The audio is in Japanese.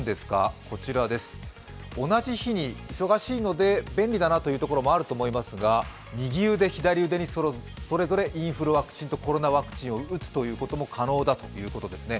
忙しいので便利だなというところもあると思いますが、右腕、左腕にそれぞれインフルワクチンとコロナワクチンを打つことも可能だということですね。